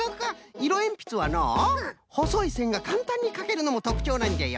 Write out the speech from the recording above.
いろえんぴつはのうほそいせんがかんたんにかけるのもとくちょうなんじゃよ。